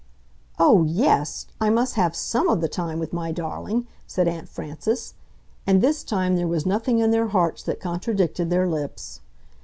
"Oh, YES, I must have SOME of the time with my darling!" said Aunt Frances. And this time there was nothing in their hearts that contradicted their lips.